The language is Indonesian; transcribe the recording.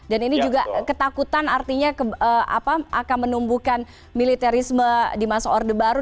dan ini juga ketakutan artinya akan menumbuhkan militerisme di masa orde baru